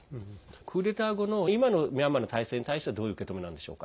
クーデター後の今のミャンマーの体制に対してはどういう受け止めなんでしょうか。